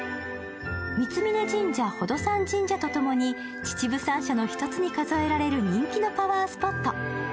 三峯神社、宝登山神社とともに秩父三社の１つに数えられる人気のパワースポット。